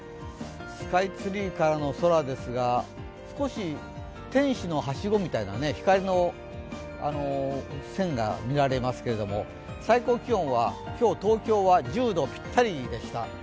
スカイツリーからの空ですが少し天使のはしごみたいな光の線が見られますけど、最高気温は今日、東京は１０度ぴったりでした。